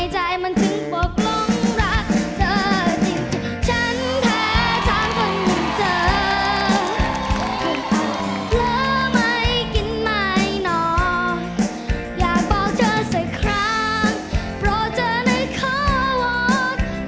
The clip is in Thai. อยากบอกเธอสักครั้งโปรดเธอในความว่าง